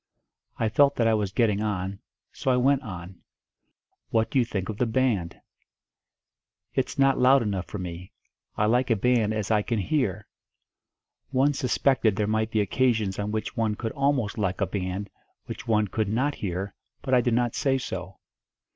I felt that I was getting on so I went on. "What do you think of the band?" "It's not loud enough for me. I like a band as I can hear." One suspected there might be occasions on which one could almost like a band which one could not hear, but I did not say so.